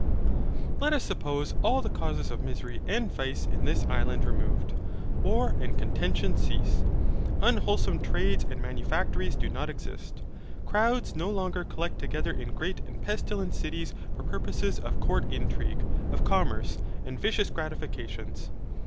Let us suppose all the causes of misery and vice in this island removed. War and contention cease. Unwholesome trades and manufactories do not exist. Crowds no longer collect together in great and pestilent cities for purposes of court intrigue, of commerce, and vicious gratifications.